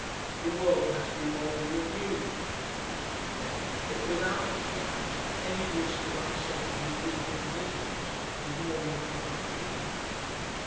The world has to be moulded anew, he continues to admit, but without, he adds, any risk of upsetting his week end visits, his morning cup of tea....